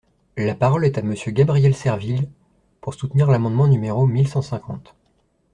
La parole est à Monsieur Gabriel Serville, pour soutenir l’amendement numéro mille cent cinquante.